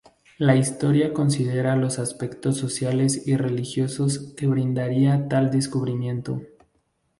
La historia considera los aspectos sociales y religiosos que brindaría tal descubrimiento.